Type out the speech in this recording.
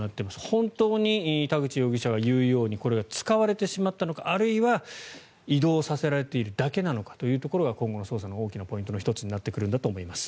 本当に田口容疑者が言うようにこれが使われてしまったのかあるいは移動させられているだけなのかというところが今後の捜査の大きなポイントの１つになってくるんだと思います。